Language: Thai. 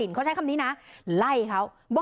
โดนสั่งแอป